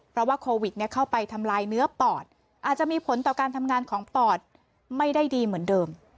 เพราะว่าโควิดเข้าไปทำลายเนื้อปอดอาจจะมีผลต่อการทำงานของปอดไม่ได้ดีเหมือนเดิม